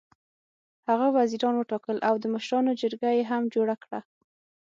هغه وزیران وټاکل او د مشرانو جرګه یې هم جوړه کړه.